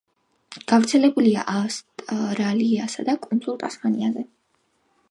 გავრცელებულია ავსტრალიასა და კუნძულ ტასმანიაზე.